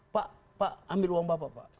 pak pak ambil uang bapak pak